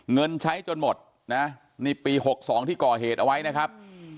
เงินใช้จนหมดนะนี่ปี๖๒ที่ก่อเหตุเอาไว้นะครับ